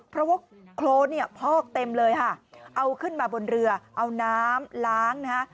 เพราะว่าโครนพอกเต็มเลยเอาขึ้นมาบนเรือเอาน้ำล้าง